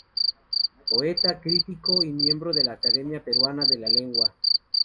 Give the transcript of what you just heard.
Poeta, crítico y miembro de la Academia Peruana de la Lengua.